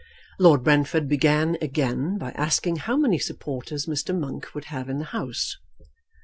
Lord Brentford began again by asking how many supporters Mr. Monk would have in the House.